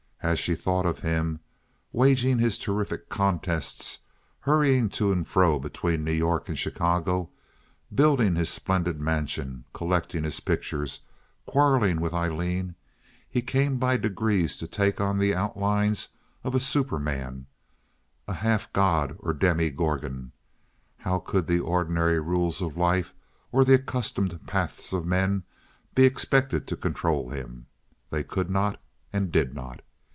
As she thought of him—waging his terrific contests, hurrying to and fro between New York and Chicago, building his splendid mansion, collecting his pictures, quarreling with Aileen—he came by degrees to take on the outlines of a superman, a half god or demi gorgon. How could the ordinary rules of life or the accustomed paths of men be expected to control him? They could not and did not.